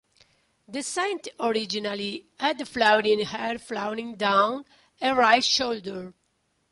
The saint originally had flowing hair flowing down her right shoulder.